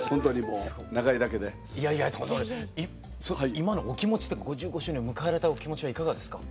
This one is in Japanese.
今のお気持ち５５周年を迎えられたお気持ちはいかがですか？